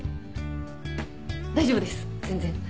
大丈夫です全然。